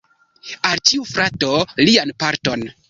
Al ĉiu frato lian parton.